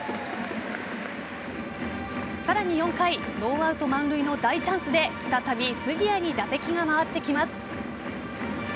さらに４回ノーアウト満塁の大チャンスで再び杉谷に打席が回ってきます。